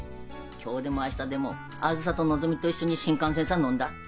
今日でも明日でもあづさとのぞみと一緒に新幹線さ乗んだ。